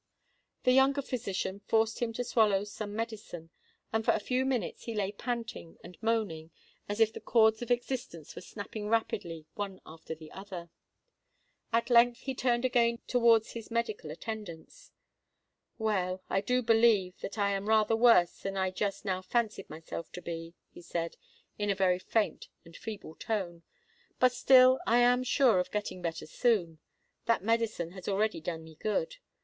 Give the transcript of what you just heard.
The younger physician forced him to swallow some medicine; and for a few minutes he lay panting and moaning as if the chords of existence were snapping rapidly one after the other. At length he turned again towards his medical attendants. "Well, I do believe that I am rather worse than I just now fancied myself to be," he said, in a very faint and feeble tone: "but still I am sure of getting better soon. That medicine has already done me good.